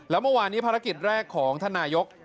แล้วเมื่อวานนี้ภารกิจแรกของท่านนายก